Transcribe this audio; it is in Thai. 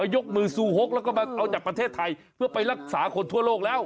ยกมือซูฮกแล้วก็มาเอาจากประเทศไทยเพื่อไปรักษาคนทั่วโลกแล้ว